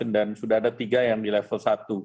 dan sudah ada tiga yang di level satu